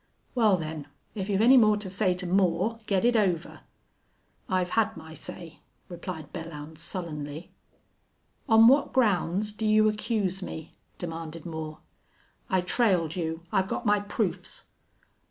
Wal, then, if you've any more to say to Moore get it over." "I've had my say," replied Belllounds, sullenly. "On what grounds do you accuse me?" demanded Moore. "I trailed you. I've got my proofs."